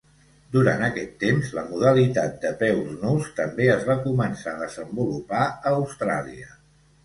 Durant aquest temps, la modalitat de peus nus també es va començar a desenvolupar a Austràlia.